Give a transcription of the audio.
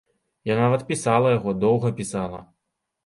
Я нават пісала яго, доўга пісала.